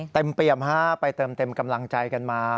เปรียมฮะไปเติมเต็มกำลังใจกันมา